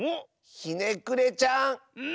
ひねくれちゃん。